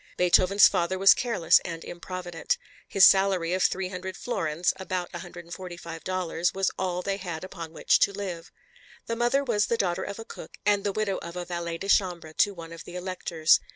Beethoven's father was careless and improvident. His salary of 300 florins, about $145, was all they had upon which to live. The mother was the daughter of a cook and the widow of a valet de chambre to one of the Electors.